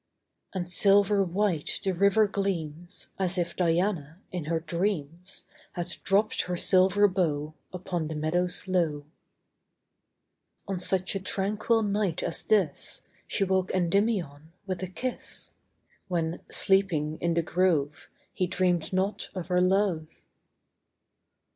5 And silver white the river gleams, As if Diana, in her dreams, • Had dropt her silver bow Upon the meadows low. On such a tranquil night as this, io She woke Kndymion with a kis^, When, sleeping in tin grove, He dreamed not of her love.